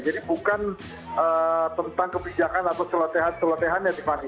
jadi bukan tentang kebijakan atau celotehan celotehannya di fani